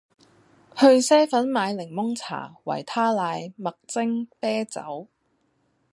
去 Seven 買檸檬茶，維他奶，麥精，啤酒